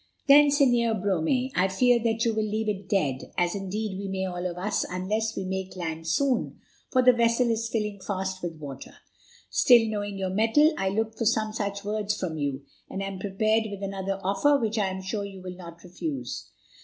"Then, Señor Brome, I fear that you will leave it dead, as indeed we may all of us, unless we make land soon, for the vessel is filling fast with water. Still, knowing your metal, I looked for some such words from you, and am prepared with another offer which I am sure you will not refuse.